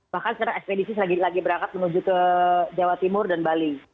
bahkan sekarang ekspedisi lagi berangkat menuju ke jawa timur dan bali